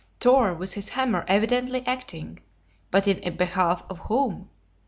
Thor with his hammer evidently acting; but in behalf of whom?